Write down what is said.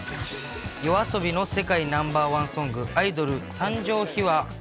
ＹＯＡＳＯＢＩの世界ナンバーワンソング、アイドル誕生秘話。